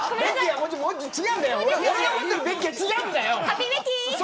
俺が思ってるベッキーは違うんだよ。